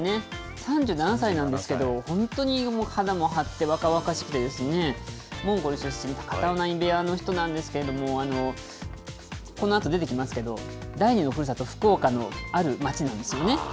３７歳なんですけど、本当に肌も張って、若々しくてですね、モンゴル出身、片男波部屋の人なんですけれども、このあと出てきますけども、第２のふるさと、福岡のある町なんですよね。